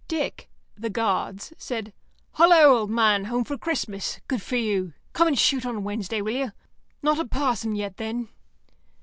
Dick (the Guards) said, "Hullo, old man, home for Christmas? Good for you. Come and shoot on Wednesday, will you? Not a parson yet, then?"